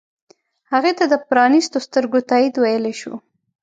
هغې ته د پرانیستو سترګو تایید ویلی شو.